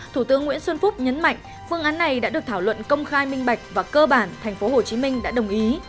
thủ tướng nguyễn xuân phúc nhấn mạnh phương án này đã được thảo luận công khai minh bạch và cơ bản tp hcm đã đồng ý